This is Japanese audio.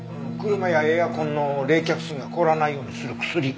車やエアコンの冷却水が凍らないようにする薬。